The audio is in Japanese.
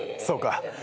そうか。